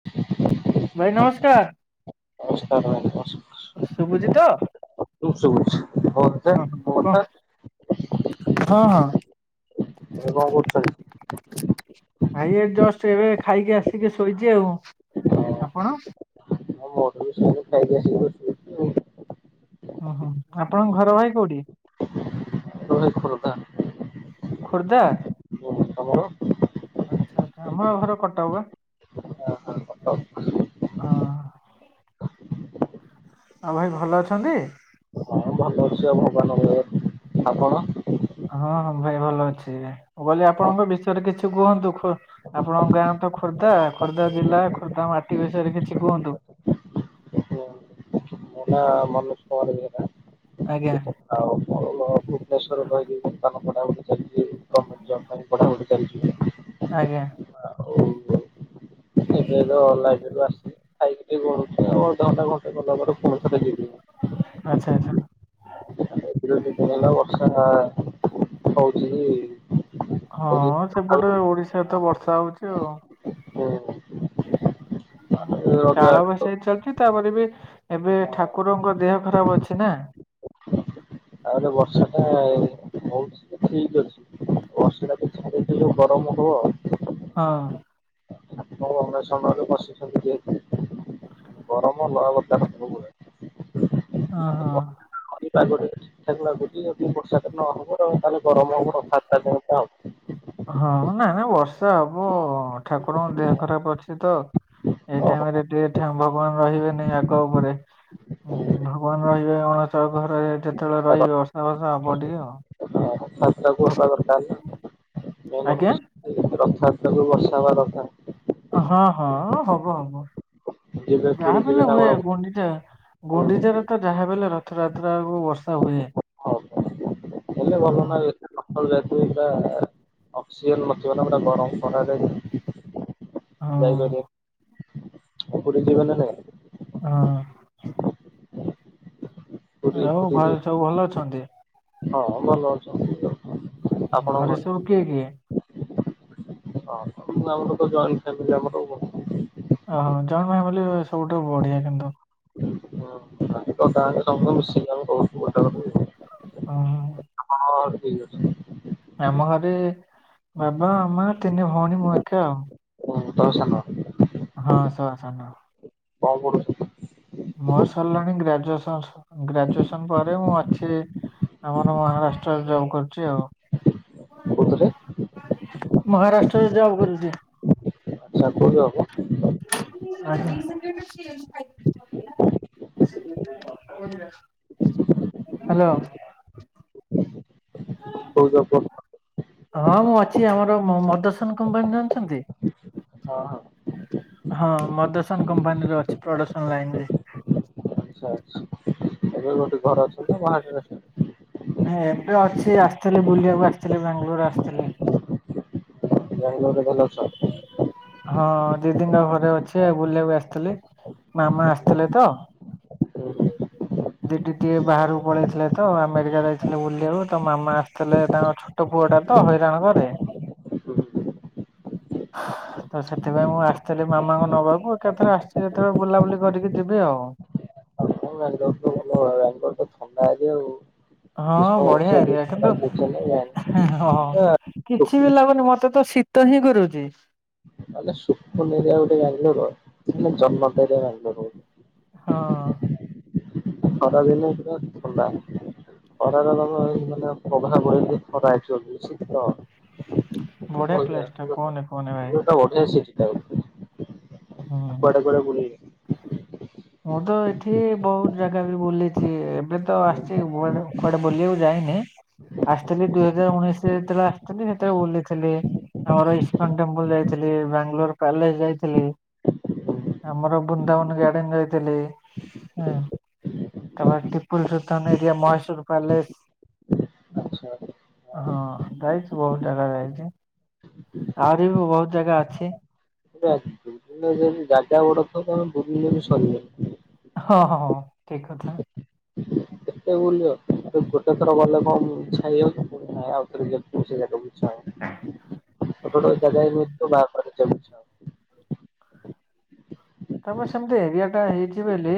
[inaudible] ଭାଇ ନମସ୍କାର। ନମସ୍କାର ଭାଇ ନମସ ଶୁଭୁଛି ତ [unintelligible] ମୋ କଥା ହଁ ହଁ ମୋ କଣ କଥା। ହଁ ହଁ। ଏବେ କଣ କରଛନ୍ତି? ଭାଇ ଏ ଜଷ୍ଟ ଏବେ ଖାଇକି ଆସିକି ଶୋଇଛି ଆଉ ଆପଣ? ହଁ ମୋର ସେଇ ଖାଇକି ଆସିିକି ବସିଛି। ଓହୋ ଆପଣଙ୍କ ଘର ଭାଇ କୋଉଠି? ଆମର ଭାଇ ଖୋର୍ଦ୍ଧା। ଖୁର୍ଦ୍ଧା? ହୁଁ ତମର? ଆଚ୍ଛା ଆଚ୍ଛା ଆମ ଘର କଟକ ବା ହଁ ଭଲ ଅଛି ଆଉ ହଁ। ଆଉ ଭାଇ ଭଲ ଅଛନ୍ତି? ସେ ଭଗବାନଙ୍କ ଦୟାରୁ ଆପଣ? ହଁ ହଁ ଭାଇ ଭଲ ଅଛି ବୋଲି ଆପଣଙ୍କ ବିଷୟରେ କିଛି କୁହନ୍ତୁ। ଆପଣଙ୍କ ଗାଁ ତ ଖୋର୍ଦ୍ଧା ଖୋର୍ଦ୍ଧା ଜିଲ୍ଲା ଖୋର୍ଦ୍ଧା ମାଟି ବିଷୟରେ କିଛି କୁହନ୍ତୁ। ମୋ ନା ମନୋଜ କୁମାର ବେହେରା। ଆଜ୍ଞା। ଆଉ [unintelligible] ଭୁନେଶ୍ୱର କହିାନ ପଢ଼ାପଢି ଚାଲିଛି ଗର୍ଣ୍ଣମେଣ୍ଟ ଜବ୍ ପାଇଁ ପଠାପଢ଼ି ଚାଲିଛି। ଆଜ୍ଞା। ହଁଁ ସେ ଲାଇଫ ଆ [unintelligible] ଖାଇକି ଟିକେ ଗଡୁଚି ଆଉ। ଅଧ ଘଣ୍ଟା ଘଣ୍ଟେ ଗଲା ପରେ ପଇସା [unintelligible] ଆଚ୍ଛା -ଆଚ୍ଛା। [unintelligible] [unintelligible] ହଉଚି ବି। ହଁ ସେପଟେ ଓଡିଶାରେ ତ ବର୍ଷା ହଉଚି ଆଉ। ହୁଁ ମାନେ ରଜ କାଳ ଆଡକୁ ବୈଶାଖୀ ଚାଲିଚି ତାପରେ ବି ଏବେ ହଁ ଠାକୁରଙ୍କ ଦେହ ଖରାପ ଅଛି ନା। ଆଉଲେ ବର୍ଷା ଟେ ହଉ ଠିକ୍ ଅଛି। ବର୍ଷା ଟାକୁ ଛାଡିଦେଲେ ଯଉ ଗରମ ହବ। ହଁ। [unintelligible] [unintelligible] ଗରମ ନୂଆ ବର୍ତ୍ତମାନ ହଉନାହିଁ। ଓ -ହଁ। ଏ ପାଗ ଟା ଟିକେ ଠିକ୍‌ ଠାକ୍ ଲାଗୁଚି ଯଦି ବର୍ଷାଟା ନ ହବ ଆଉ ତାହେଲେ ଗରମ ହବ ରଥଯାତ୍ରା ପାଇଁ। [unintelligible] ହଁ -ନା -ନା ବର୍ଷା ହବ ଠାକୁରଙ୍କ ଦେହ ଖରାପ ଅଛି ତ। ଏଇ ହବ। ଟାଇମ୍ ରେ ଟିକେ ଠା- ଭଗବାନ୍ ରହିବେନି ଆଗ ଉପରେ। ଓ ଭଗବାନ୍ ରହିବେ ଅଣସର ଘରେ ଯେତେବେଳେ ରହିବେ ବର୍ଷା ଫର୍ଷା ହବ ଟିକେ ଆଉ। [unintelligible] ଆଜ୍ଞା। ଏଇ ରଥଯାତ୍ରା କୁ ବର୍ଷା ହବା ଦରକାର୍। ହଁ -ହଁ ହବ- ହବ ଯିବେ ପୁରୀ ଯାହାବି ଯିବେ ହେଲେ ନା ହୁଏ କଣ? ଗୁଣ୍ଡିଚା ଗୁଣ୍ଡିଚାରେ ତ ଯାହାବି ହେଲେ ରଥଯାତ୍ରାକୁ ବର୍ଷା ହୁଏ। କଲେ ହଁ ଭଲନା [unintelligible] ଅକ୍ସିଜେନ୍ ନଥିବ ନା ପୁରା ଗରମ୍ ଖରାରେ ହଁ ଯାଇପାରିବେ। [unintelligible] ହଁ। ପୁରୀ ଆଉ ପୁରୀ ଘରେ ଯିବେ ସବୁ ଭଲ ଅଛନ୍ତି? ହଁ ଭଲ ଅଛନ୍ତି। ଘରେ ସବୁ କିଏ କିଏ? ଆମର ତ ଜଏଣ୍ଟ୍ ଫ୍ୟାମିଲି ଆମର ଆଉ କଣ। ଓହୋ ଜଏଣ୍ଟ୍ ଫ୍ୟାମିଲି ସବୁଠୁ ବଢିଆ କିନ୍ତୁ। [unintelligible] ଓ -ହୁଁ। ହଁ- ହଁ- ଠିକ୍ ଅଛି। ଆମ ଘରେ ବାବା ମା ତିନି ଭଉଣୀ ମୁଁ ଏକା ଆଉ। ତମେ ସାନ। ହଁ ସବା ସାନ। କଣ ପଡୁଛି। ମୋର ସରିଲାଣି ଗ୍ରାଜୁଏସନ ଗ୍ରାଜୁଏସନ ପରେ ମୁଁ ଅଛି। ଆମର ମହାରାଷ୍ଟ୍ରରେ ଜବ୍ କରୁଛି ଆଉ। କୋଉଥିରେ ମହାରାଷ୍ଟ୍ରରେ ଜବ କରୁଛି। ବହୁ ହବ। [unintelligible] ହ୍ୟାଲୋ। କୋଉ ଜବ କରୁଛ? ହଁ ମୁଁ ଅଛି ଆମର ମଦସନ କମ୍ପାନୀରେ ଅଛନ୍ତି। ହଁ ହଁ। ହଁ ମଦସନ କମ୍ପାନୀରେ ଅଛି ପ୍ରଡକ୍ସନ ଲାଇନରେ। ଆଛା ଆଛା କଉଠି ଘରେ ଅଛନ୍ତି ନା ବାହାରେ ଅଛନ୍ତି ଏବେ ଅଛି ଆସିଥିଲି ବୁଲିବାକୁ ଆସିଥିଲି ବେଙ୍ଗେଲୋର ଆସିଥିଲି। [unintelligible] ଭଲ ଅଛ। ହଁ ଦିଦିନ ଘରେ ଅଛି ବୁଲିବାକୁ ଆସିଥିଲି‌ ମାମା ଆସିଥିଲେ ତ। [unintelligible] ଦିଦି ଟିକେ ବାହାରକୁ ପଳେଇଥିଲେ ତ ଆମେରିକା ଯାଇଥିଲେ ବୁଲିବାକୁ ତ ମାମା ଆସିଥିଲେ ତାଙ୍କ। ଟ ପୁଅଟା ତ ହଇରାଣ କରେ। [unintelligible] ତ ସେଥିପାଇଁ ମୁଁ ଆସିଥିଲି ମାମାଙ୍କ ନବାବୁ ଏକାଥର ଆସିଛି ଯେତେବେଳେ ବୁଲାବୁଲି କରିକି ଯିବି ଆଉ। [unintelligible] ଆ ଯେଉ। ହଁ ବଢିଆ ଏଆ କିନ୍ତୁ ଚେନ୍ନାଇ ହଁ। ବାଙ୍ଗଲୋର ପୁରା କିଛି ସୁକୁନ ବି ଲାଗୁନି ମୋତେ ତ ଶୀତ ହିଁ କରୁଛି। [unintelligible] ଏରିଆ ଗୋଟେ ବାଙ୍ଗାଲୋର ଜନ୍ମତ ଏରିଆ ବାଙ୍ଗାଲୋର। ହଁ। ଖରା ଦିନେ ପୁରା ଥଣ୍ଡା ଖରା [unintelligible] ହଁ। ମାନେ। [unintelligible] ଶୀତ [unintelligible] ବଢିଆ ପ୍ଲେସ ଟା କୁହନି କୁହନି ଭାଇ ବଢିଆ ସିଷ୍ଟମ ହୁଁ। କୁଆଡ଼େ କୁଆଡ଼େ ବୁଲିଲୁ ମୁଁ ତ ଏଠି ବହୁତ ଜାଗା ବି ବୁଲିଛି ଏବେ ତ ଆସିଛି କୁଆଡେ ବୁଲିବାକୁ ଯାଇନି। ଆସିଥିଲି ଦୁଇ ହଜାର ଉଣେଇଶରେ ଯେତେବେଳେ ଆସିଥିଲି ସେତେବେଳେ ବୁଲିଥିଲି। ଆମର ଇସ୍କନ ଟେମ୍ପଲ ଯାଇଥିଲି ବାଙ୍ଗାଲୋର ପ୍ୟାଲେସ ଯାଇଥିଲି। ଆମର ବୃନ୍ଦାବନ ଗାଡେନ ଯାଇଥିଲି ହୁଁ। ତାପରେ ଟିପୁଲ ସୁଲତାନ ଏରିଆ ମହେଶୁର ପ୍ୟାଲେସ। ଆଛା ହଁ ଯାଇଛି ବହୁତ ଜାଗା ଯାଇଛି। ଆହୁରି ବି ବହୁତୁ ଜାଗା ଅଛି [unintelligible] ଯାଗା ଗୁଡାକ ତମେ ବୁଲି ଲେ ବି ସରିବନି ହଁ ହଁ ହ ଠିକ କଥା କେତେ ବୁଲିବ ଗୋଟେଥର ଗଲେ କଣ ଇଚ୍ଛା ହେଇଯାଉଛି ପୁଣି ଆଉଥରେ ଯିବାକୁ ସେଇ ଜାଗା- [unintelligible] ତମେ ସେମିତି ଏରିଆ ଟା ହେଇଛି ବୋଲି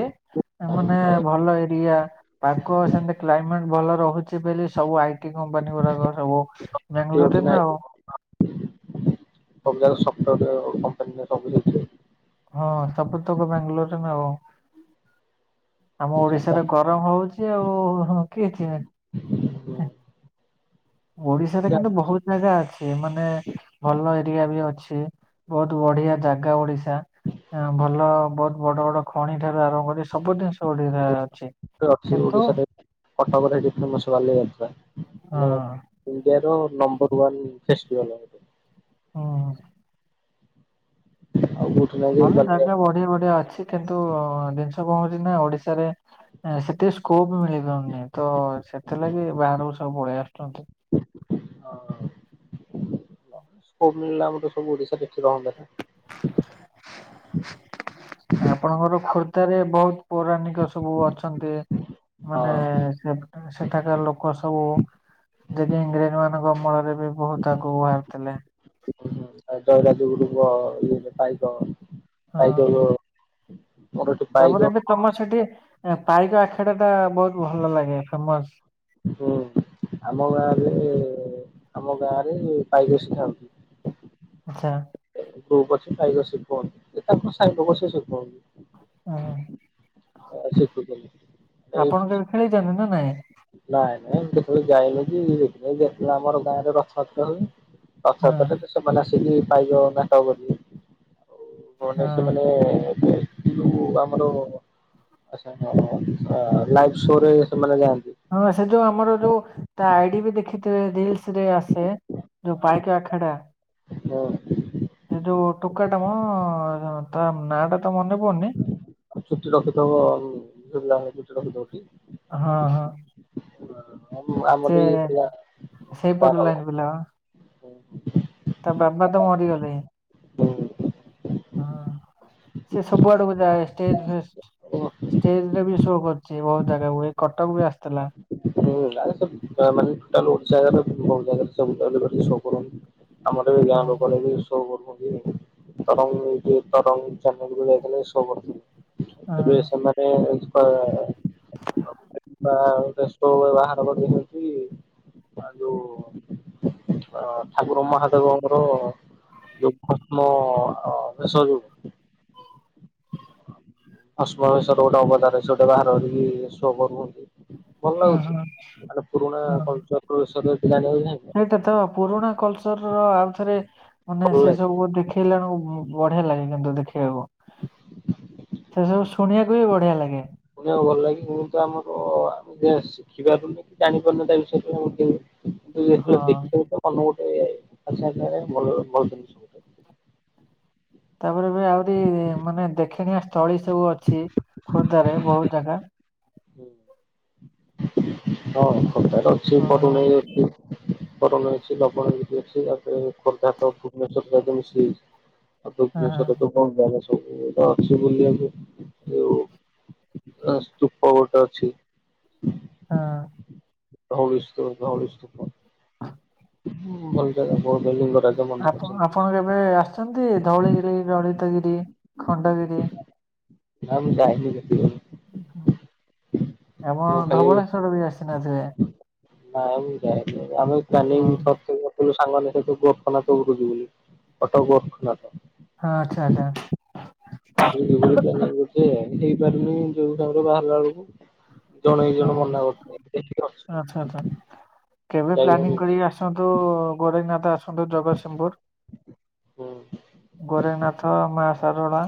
ମାନେ ହଉନି। ଭଲ ଏରିଆ ପାଗ ସେମିତି କ୍ଲାଇମେଟ ଭଲ ରହୁଛି ବୋଲି ସବୁ ଆଇଟି କମ୍ପାନୀ ଗୁଡାକ ସବୁ ବେଙ୍ଗେଲୋରରେ ନା ଆଉ ସବୁ ଜାଗା ରେ ସଫ୍ଟୱର କମ୍ପାନୀରେ। [unintelligible] ହଁ ସବୁତକ ବାଙ୍ଗାଲୋରରେ ନା ଆଉ। ଆମ ଓଡିଶାରେ ଗରମ ହଉଚି ଆଉ କିଏ କିଏ [unintelligible] ଓଡିଶାରେ କିନ୍ତୁ ବହୁତ ଜାଗା ଅଛି। ମାନେ ଭଲ ଏରିଆ ବି ଅଛି। ବହୁତୁ ବଢିଆ ଜାଗା ଓଡିଶା। ଭଲ ବହୁତୁ ବଡ ବଡ ଖଣି ଠାରୁ ଆରମ୍ଭ କରି ସବୁ ଜିନିଷ ଓଡିଶା ରେ ଅଛି। ଅଛି କିନ୍ତୁ ଓଡିଶାରେ କଟକରେ ଫେମସ ବାଲି ଯାତ୍ରା। ହଁ ମାନେ ଇଣ୍ଡିଆ ର ନମ୍ବର ୱାନ୍ ଫେଷ୍ଟିଭାଲ୍। ହଁ ହଁ। [unintelligible] ଭଲ ଜାଗା ବାଲିଯାତ୍ରା। ବଢିଆ ବଢିଆ ଅଛି। କିନ୍ତୁ ଜିନିଷ କଣ ହଉଛି ନା ଓଡିଶାରେ ସେଠି ସ୍କୋପ୍ ମିଳିପାରୁନି। ତ ସେଥିଲାଗି ବାହାରକୁ ସବୁ ପଳେଇ ଆସୁଚନ୍ତି। ହଁ [unintelligible] ଆମର ସବୁ ଓଡିଶା ଦେଖି। [unintelligible] [inaudible] ଆପଣଙ୍କର ଖୋର୍ଦ୍ଧା ରେ ବହୁତ୍ ପୌରାଣିକ ସବୁ ଅଛନ୍ତି। ନା ମାନେ ହଁ। ସେଠା ସେଠାକାର ଲୋକ ସବୁ [unintelligible] ଇଂରେଜ ମାନଙ୍କ ଅମଳରେ ବି ବହୁତ୍ ଆଗକୁ ବାହାରୁଥିଲେ। ଆ ଜୟୀରାଜଗୁରୁ [unintelligible] ପାଇକ। ପାଇକ ହଁ ମୋର ଏଠି ପାଇକ ତାପରେ ବି ତମର ସେଠି ପାଇକ ଆଖେଡା ଟା ବହୁତୁ ଭଲ ଲାଗେ ଫେମସ। ହୁଁ। ଆମ ଗାଁରେ ଆମ ଗାଁରେ ପାଇକ ଶିଖା ହଉଚି। ଆଚ୍ଛା। ଗ୍ରୁପ ଅଛି ପାଇକ ଶିଖଉଛନ୍ତି। ତାଙ୍କ ସାଇ ଲୋକ ସେ ଶିଖଉଚନ୍ତି। [unintelligible] ଅ ଶିଖୁଚନ୍ତି। ଆପଣ କେବେ ଖେଳିଛନ୍ତି ନା ନାଇଁ? ନାଇଁ ନାଇଁ କେତେବେଳେ ଯାଇନି କି ଯେତେବେଳେ ଆମର ଗାଁ ରେ ରଥଯାତ୍ରା ହୁଏ ହଁ ରଥଯାତ୍ରାରେ ତ ସେମାନେ ଆସିକି ପାଇକ ନାଟକ କରିବେ। [unintelligible] ସେମାନେ। ହଁ [unintelligible] ସେ ଯୋଉ ଆମର [unintelligible] ଲାଇଫ୍ ଶୋରେ ସେମାନେ ଯାଆନ୍ତି। ହଁ ସେ ଯୋଉ ଆମର ଯୋଉ ତା ଆଇଡି ବି ଦେଖିଥିବେ ରିଲ୍ସ ରେ ଆସେ। ଯୋଉ ପାଇକ ଆଖେଡା। ହଁ। ସେ ଯୋଉ ଟୋକାଟା ମ ତା ନାଁ ଟା ତ ମନେ ପଡୁନି। ଚୁଟି ରଖିଥିବ ଆଉ। [unintelligible] ହଁ ହଁ। ହଁ ଆମର ସେ ବି ପିଲା ସେଇପଟ ହବ। ଲାଇନରୁ। ପିଲା। ତା ବାବା ତ ମରିଗଲେ। ହଁ। ସେ ସବୁ ଆଡକୁ ଯାଏ ଷ୍ଟେଜ ଫେଜ୍ ଷ୍ଟେଜ ରେ ବି ଶୋ କରିଚି। ବହୁତ ଜାଗାକୁ ଏ କଟକ କୁ ବି ଆସିଥିଲା। ହୁଁ ଆସନ୍ତି। ତା ମାନେ ଟୋଟାଲ୍ ଓଡ଼ିଶା [unintelligible] ଶୋ କରନ୍ତି। ଆମର ବି ଗାଁ ହଁ ଲୋକରେ ବି ଶୋ କରୁଛନ୍ତି। ତରଙ୍ଗ ଏଇ ଯେ ତରଙ୍ଗ ଚ୍ୟାନେଲ କୁ ଯାଇଥିଲେ ଶୋ କରିଛନ୍ତି। ହଁ ଏବେ ସେମାନେ। [unintelligible] [inaudible] [unintelligible] ବାହାର କରି। [unintelligible] ଠାକୁର ମହାଦେବଙ୍କର ଯୋଉ ଛଦ୍ମ ବେଶ ଯୋଉ [unintelligible] ର ଗୋଟେ ଅବତାର ସେ ଗୋଟେ ବାହାର କରିକି ସୋ କରୁଚନ୍ତି। ଭଲ ହଁ ଲାଗୁଚି। ହଁ ମାନେ ପୁରୁଣା ହଁ। କଲ୍ଚର। [unintelligible] ସେଇଟା ତ ପୁରୁଣା କଲଚରର ଆଉଥରେ ମାନେ ଭଲ ସେ ଲାଗେ। ସବୁ ଦେଖ୍। ପିଲାଙ୍କୁ ବଢିଆ ଲାଗେ କିନ୍ତୁ ଦେଖିବାକୁ। ସେ ସବୁ ଶୁଣିବାକୁ ବି ବଢିଆ ଲାଗେ। ଶୁଣିବାକୁ ଭଲ ଲାଗେ। ମୁଁ ତ ଆମର। [unintelligible] ଶିଖି ପାରୁନୁ କି ଜାଣିପାରୁନୁ ତା ବିଷୟରେ। [unintelligible] କିନ୍ତୁ ଯେତେବେଳେ ହଁ। ଦେଖିବା ତ ଅନ୍ୟ ଗୋଟେ [unintelligible] ଭଲ ଭଲ ଜିନିଷ୍। ତାପରେ ଏବେ ଆହୁରି ମାନେ ଦେଖଣିଆ ସ୍ଥଳୀ ସବୁ ଅଛି, ଖୋର୍ଦ୍ଧରେ ବହୁତ ଜାଗା। ହୁଁ, ହଁ ଖୋର୍ଦ୍ଧାରେ ଅଛି ହଁ ହଁ ବରୁଣେଇ ଅଛି। ବରୁଣେଇ ଅଛି ଲବଣଗିରି ଅଛି ତାପରେ ଖୋର୍ଦ୍ଧା ତ ଭୁବନେଶ୍ବର ଯାଗେ ମିଶିଯାଇଛି। ହଁ [unintelligible] କଣ ଜାଗା ସବୁ ତ ଅଛି ବୋଲି ଆଜି ଯୋଉ ସ୍ତୁପ ଗୋଟେ ଅଛି। ହଁ। ଧଉଳିସ୍ତ ଧଉଳି ସ୍ତୁପ। ହୁଁ ଭଲ ଜାଗା [unintelligible] ଲିଙ୍ଗରାଜ ମନ୍ଦିର ଆପଣ ଅଛନ୍ତି। ଆପଣ କେବେ ଆସିଛନ୍ତି ଧଉଳିଗିରି, ଲଳିତଗିରି, ଖଣ୍ଡଗିରି? ନା ମୁଁ ଯାଇନି। [unintelligible] ମୁଁ ଆପଣ ଖାଲି ଧବଳେଶ୍ଵର ବି ଆସି ନଥିବେ? ନା ମୁଁ ଯାଇନି। ଆମେ ହଁ ପ୍ଲାନିଂ କରିଥିଲୁ। କିନ୍ତୁ ସାଙ୍ଗମାନଙ୍କ ସହିତ ଗୋରଖନାଥ [unintelligible] ବୋଲି କଟକ ଗୋରଖନାଥ। ହଁ ଆଚ୍ଛା ଆଚ୍ଛା। [unintelligible] ହେଇପାରୁନି, ଯୋଉ ସମୟରେ ବାହାରିଲା ବେଳକୁ ଜଣେ, ଦିଜଣ ହଁ ମନା କରୁଛନ୍ତି। ଦେଖିକି। [unintelligible] ଆଚ୍ଛା ଆଚ୍ଛା, କେବେ ପ୍ଲାନିଂ କିଛି। କରିକି ଆସନ୍ତୁ ଗୋରେଖନାଥ ଆସନ୍ତୁ ଜଗତସିଂହପୁର। ହୁଁ। ଗୋରେଖନାଥ, ମାଆ ଶାରଳା,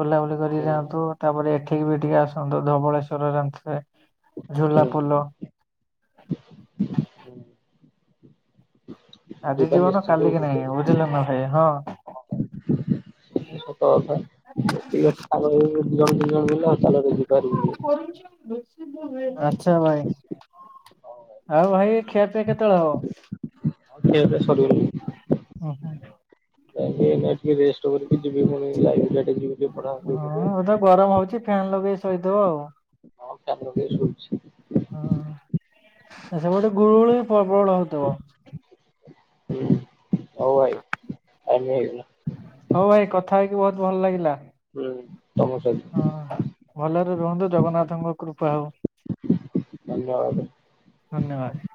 ବୁଲାବୁଲି କରିକି ହୁଁ ଯାଆନ୍ତୁ। ତାପରେ ଏଠିକି ବି ଟିକେ ଆସନ୍ତୁ ଧବଳେଶ୍ୱରରେ ଜାଣିଥିବେ ଝୁଲା ହୁଁ ପୋଲ। ହୁଁ ଆଜି ଯିବା ଜୀବନ ନିଶ୍ଚିନ୍ତ କାଲିକି ନାଇଁ, ବୁଲିବାକୁ। ବୁଝିଲେ ନା ଭାଇ, ହଁ। ଏଇଟା ସତ କଥା। [unintelligible] ସାଙ୍ଗହେଇକି ଯଦି ଜଣେ ତିନି ଜଣ ମିଳିଲେ ହଁ ଚାଲରେ ଯିବାହେରି। ଆଚ୍ଛା ଭାଇ। ଆଉ ଭାଇ ଖିଆପିଆ କେତେବେଳେ ହବ? ଖିଆପିଆ ସରିଲାଣି। ହୁଁ ହୁଁ। ଯାଇକି ଏଇନା ଟିକେ ରେଷ୍ଟ କରିକି ଯିବି ପୁଣି ଲାଇ [unintelligible] ଯିବି। ଟିକେ ପଢାପଢି ହଁ, କରିବା। [unintelligible] ଗରମ ହଉଛି ଫ୍ୟାନ୍ ଲଗେଇ ଶୋଇଥିବ ଆଉ। ହଁ, ଫ୍ୟାନ୍ ଲଗେଇ ଶୋଇଛି। ହଁ, ସେପଟେ ଗୁଳୁଗୁଳି ପ୍ରବଳ ହଉଥିବ? ହୁଁ, ହଁ ଭାଇ ଟାଇମ୍ ହେଇଗଲା। ହଁ ଭାଇ କଥା ହେଇକି ବହୁତ ଭଲ ଲାଗିଲା। ହୁଁ, ତମ ସହି ହଁ ଭଲରେ ରୁହନ୍ତୁ, ଜଗନ୍ନାଥଙ୍କ କୃପା ହଉ। ଧନ୍ୟବାଦ। ଧନ୍ୟବାଦ।